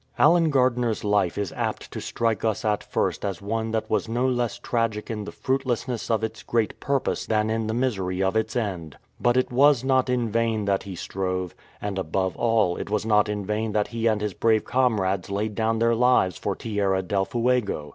Allen Gardiner's life is apt to strike us at first as one that was no less tragic in the fruitlessness of its great purpose than in the misery of its end. But it was not in vain that he strove, and, above all, it was not in vain that he and his brave comrades laid down their lives for Tierra del Fuego.